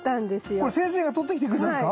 あらこれ先生が撮ってきてくれたんですか？